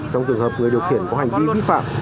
trong trường hợp người điều khiển có hành vi vi phạm